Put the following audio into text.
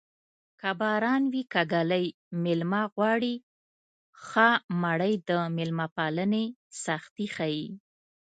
که باران وي که ږلۍ مېلمه غواړي ښه مړۍ د مېلمه پالنې سختي ښيي